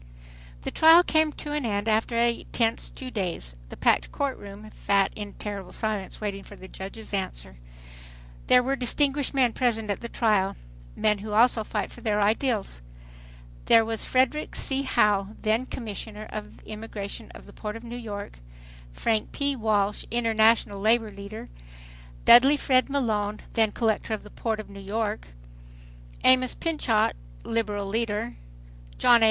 The trial came to an end after a tense two days. The packed court room fat in a terrible silence awaiting the judge's answer. There were distinguished men present at the trial—men who also fight for their ideals. There was Frederic C. Howe, then Commissioner of Immigration of the Port of New York, Frank P. Walsh, International labor leader, Dudley Field Malone, then Collector of the Port of New York, Amos Pinchot, liberal leader, John A.